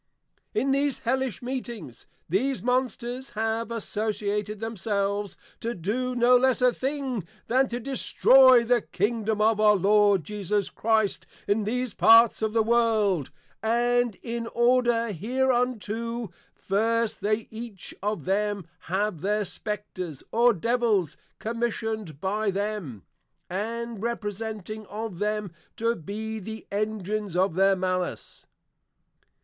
In these hellish meetings, these Monsters have associated themselves to do no less a thing than, To destroy the Kingdom of our Lord Jesus Christ, in these parts of the World; and in order hereunto, First they each of them have their Spectres, or Devils, commission'd by them, & representing of them, to be the Engines of their Malice.